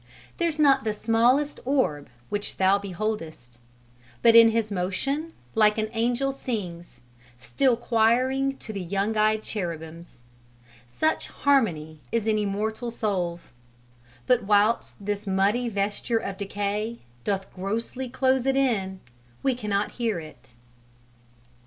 There's not the smallest orb which thou behold'st But in his motion like an angel sings, Still quiring to the young eyed cherubims; Such harmony is in immortal souls; But whilst this muddy vesture of decay Doth grossly close it in, we cannot hear it."